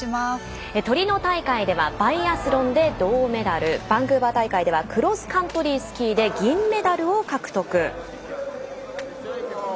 トリノ大会ではバイアスロンで銅メダルバンクーバー大会ではクロスカントリースキーで銀メダルを獲得。